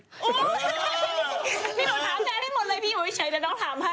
พี่หนูถามแท้ที่หมดเลยพี่ว่าพี่ชัยเดี๋ยวน้องถามให้